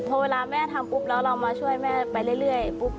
พอเวลาแม่ทำปุ๊บแล้วเรามาช่วยแม่ไปเรื่อยปุ๊บ